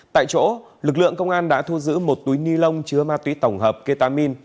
tại chỗ lực lượng công an đã thu giữ một túi ni lông chứa ma túy tổng hợp ketamin